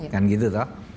kan gitu tau